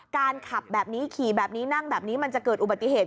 การขับแบบนี้ขี่แบบนี้นั่งแบบนี้มันจะเกิดอุบัติเหตุ